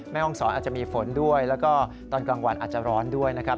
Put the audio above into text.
แม่ห้องศรอาจจะมีฝนด้วยแล้วก็ตอนกลางวันอาจจะร้อนด้วยนะครับ